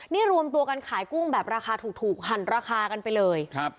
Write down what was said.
นี่รวมตัวกันขายกุ้งแบบราคาถูกหั่นราคากันไปเลยครับ